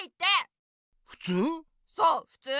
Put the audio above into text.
そうふつう。